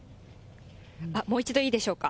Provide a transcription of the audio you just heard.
もう一度いいでしょうか。